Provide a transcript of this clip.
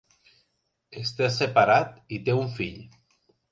Està separat i té un fill.